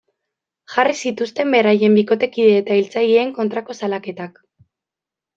Jarri zituzten beraien bikotekide eta hiltzaileen kontrako salaketak.